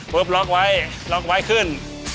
ล็อกไว้ล็อกไว้ขึ้น